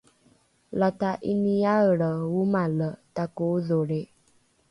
lata ’iniaelre omale tako’odholri!